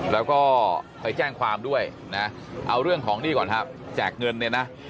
แล้วก็ไปแจ้งความด้วยนะเอาเรื่องของหนี้ก่อนครับแจกเงินเนี่ยนะ